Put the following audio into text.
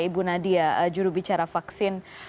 ibu nadia juru bicara vaksin